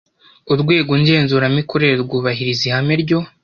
Urwego ngenzuramikorere rwubahiriza ihame ryo